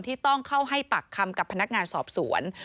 ที่ต้องเข้าให้ปากคำกับพนักงานสอบสวน